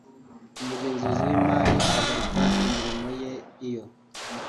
Umugenzuzi w imari ahagarika imirimo ye iyo